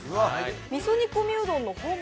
味噌煮込みうどんの本場